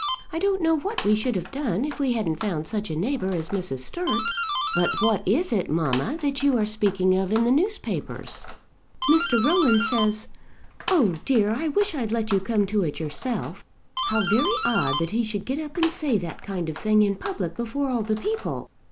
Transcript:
I don't know what we should have done if we hadn't found such a neighbour as Mrs. Sturt." "But what is it, mamma, that you are speaking of in the newspapers?" "Mr. Rowan says Oh, dear! I wish I'd let you come to it yourself. How very odd that he should get up and say that kind of thing in public before all the people.